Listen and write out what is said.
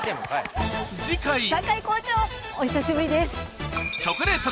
次回堺校長お久しぶりです！